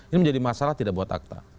ini menjadi masalah tidak buat akta